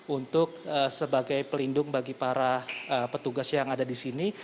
untuk sebagai pelindung bagi para petugas yang ada di sini